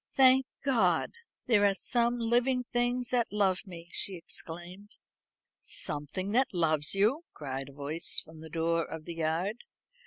"Thank God! there are some living things that love me," she exclaimed. "Something that loves you!" cried a voice from the door of the yard.